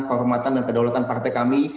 kehormatan dan kedaulatan partai kami